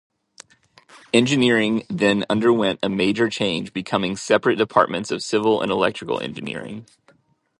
Engineering then underwent a major change becoming separate departments of civil and electrical engineering.